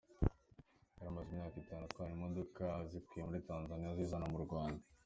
Yari amaze imyaka itanu atwara imodoka azikuye muri Tanzania azizana mu Rwanda.